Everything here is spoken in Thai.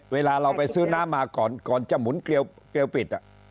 เวลาเราไปซื้อน้ำมาก่อนก่อนจะหมุนเกลียวปิด